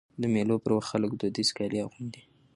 د مېلو پر وخت خلک دودیز کالي اغوندي.